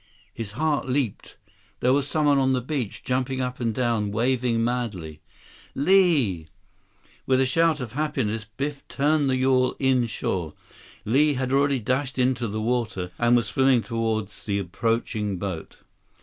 His heart leaped. There was someone on the beach, jumping up and down, waving madly. Li! With a shout of happiness, Biff turned the yawl inshore. Li had already dashed into the water, and was swimming toward the approaching boat.